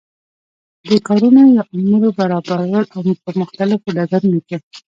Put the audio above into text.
د کارونو یا امورو برابرول او په مختلفو ډګرونو کی